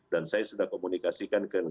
dan saya sudah komunikasikan ke negara